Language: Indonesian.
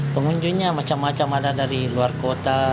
pengunjungnya macam macam ada dari luar kota